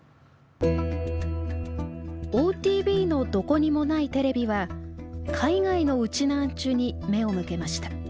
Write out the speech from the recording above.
ＯＴＶの「どこにもないテレビ」は海外のウチナーンチュに目を向けました。